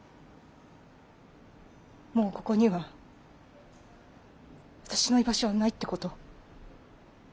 もうここには私の居場所はないってこと？